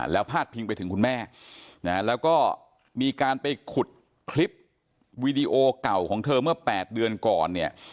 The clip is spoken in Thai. แล้วพาดพิงไปถึงคุณแม่นะแล้วก็มีการไปขุดคลิปวีดีโอเก่าของเธอเมื่อ๘เดือนก่อนเนี่ย